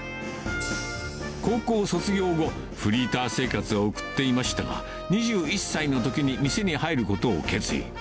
高校卒業後、フリーター生活を送っていましたが、２１歳のときに店に入ることを決意。